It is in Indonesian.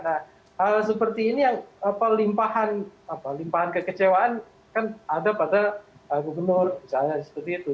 nah hal seperti ini yang limpahan kekecewaan kan ada pada gubernur misalnya seperti itu